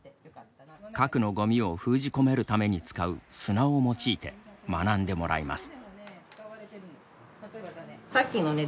核のごみを封じ込めるために使う砂を用いて学んでもらいます。